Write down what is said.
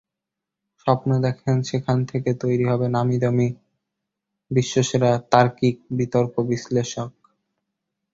স্বপ্ন দেখেন, সেখান থেকে তৈরি হবে নামী বিশ্বসেরা তার্কিক, বিতর্ক বিশ্লেষক।